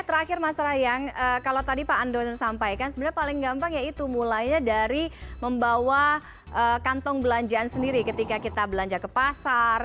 terakhir mas rahyang kalau tadi pak andono sampaikan sebenarnya paling gampang yaitu mulainya dari membawa kantong belanjaan sendiri ketika kita belanja ke pasar